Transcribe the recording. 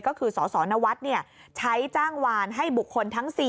ก็คือสสนวัฒน์ใช้จ้างวานให้บุคคลทั้ง๔